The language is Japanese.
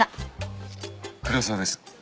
黒沢です。